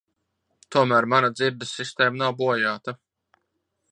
Tomēr mana dzirdes sistēma nav bojāta.